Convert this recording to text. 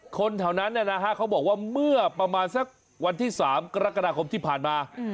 คนแถวนั้นเขาบอกว่าเมื่อประมาณสักวันที่๓กรกฎาคมที่ผ่านมา